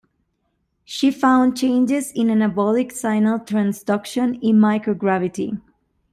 She found changes in anabolic signal transduction in microgravity.